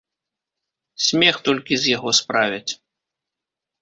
Смех толькі з яго справяць.